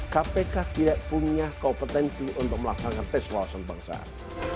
kpk tidak punya kompetensi untuk melaksanakan tes wawasan kebangsaan